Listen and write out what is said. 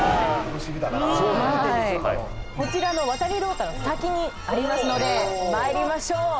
こちらの渡り廊下の先にありますので参りましょう。